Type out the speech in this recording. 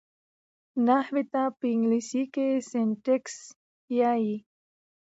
نحوي ته په انګلېسي کښي Syntax وایي.